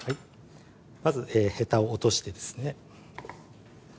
まずへたを落としてですね